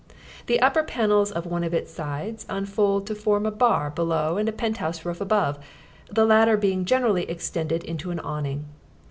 The upper panels of one of its sides unfold to form a bar below and a penthouse roof above, the latter being generally extended into an awning.